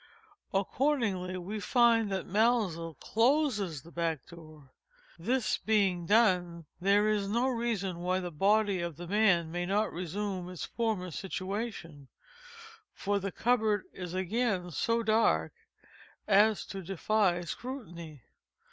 Accordingly we find that Maelzel _closes the back door. _This being done, there is no reason why the body of the man may not resume its former situation—for the cupboard is again so dark as to defy scrutiny.